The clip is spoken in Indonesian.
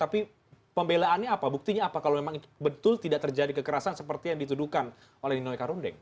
tapi pembelaannya apa buktinya apa kalau memang betul tidak terjadi kekerasan seperti yang ditudukan oleh nino ika rundeng